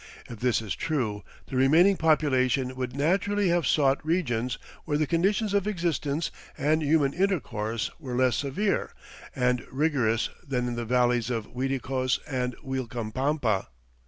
If this is true, the remaining population would naturally have sought regions where the conditions of existence and human intercourse were less severe and rigorous than in the valleys of Uiticos and Uilcapampa.